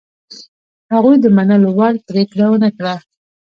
هغوی د منلو وړ پرېکړه ونه کړه.